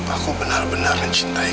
aku benar benar mencintai